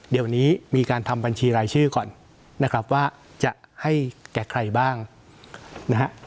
เดี๋ยวนี้มีการทำบัญชีรายชื่อก่อนนะครับว่าจะให้แก่ใครบ้างนะฮะ